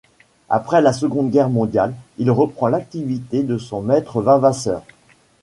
Après la Seconde Guerre mondiale, il reprend l'activité de son maître Vavasseur.